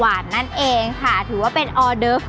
เพราะว่าผักหวานจะสามารถทำออกมาเป็นเมนูอะไรได้บ้าง